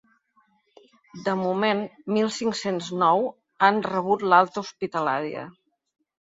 De moment, mil cinc-cents nou han rebut l’alta hospitalària.